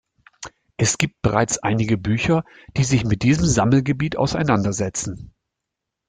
Es gibt bereits einige Bücher die sich mit diesem Sammelgebiet auseinandersetzen.